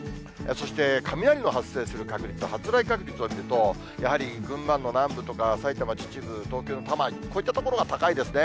そして、雷の発生する確率、発雷確率を見ると、やはり群馬の南部とか、埼玉・秩父、東京の多摩、こういった所が高いですね。